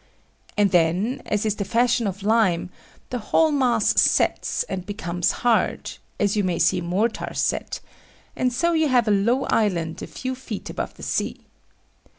And then, as is the fashion of lime, the whole mass sets and becomes hard, as you may see mortar set; and so you have a low island a few feet above the sea.